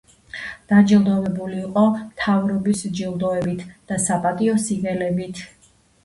დაჯილდოვებული იყო მთავრობის ჯილდოებით და საპატიო სიგელებით.